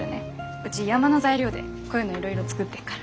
うち山の材料でこういうのいろいろ作ってっから。